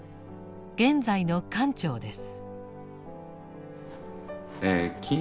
現在の館長です。